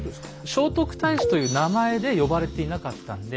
「聖徳太子」という名前で呼ばれていなかったんで。